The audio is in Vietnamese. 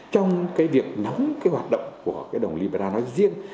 trong cái việc nắm cái hoạt động của cái đồng libera nó riêng